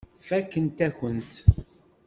Fakkent-akent-t.